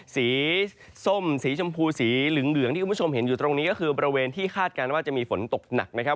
สีส้มสีชมพูสีหลึงเหลืองที่ทุกคนเห็นตรงนี้คือเป็นบริเวณที่คาดการณ์ว่ามีฝนตกหนักนะครับ